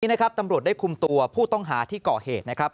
นะครับตำรวจได้คุมตัวผู้ต้องหาที่ก่อเหตุนะครับ